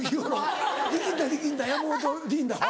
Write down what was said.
「力んだ力んだ山本リンダ」は？